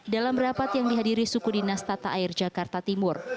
dalam rapat yang dihadiri suku dinas tata air jakarta timur